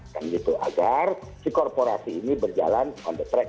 dan gitu agar si korporasi ini berjalan on the track